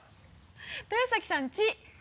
豊崎さん「ち」